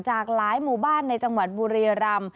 จากหลายหมู่บ้านในจังหวัดบุรียรำ